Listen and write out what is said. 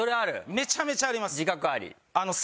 めちゃめちゃあります。